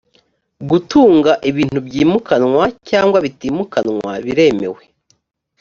gutunga ibintu byimukanwa cyangwa bitimukanwa biremewe